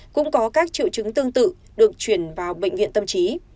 cũng có các triệu chứng tương tự được chuyển vào bệnh viện tâm trí